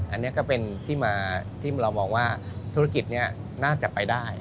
อันนี้ก็เป็นที่มาที่เรามองว่าธุรกิจนี้น่าจะไปได้